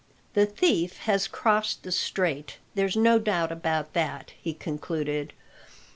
"The thief has crossed the Strait, there's no doubt about that," he concluded.